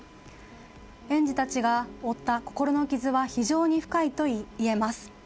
園児たちが負った心の傷は非常に深いといえます。